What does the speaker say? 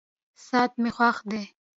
ساعت مي خوښ دی.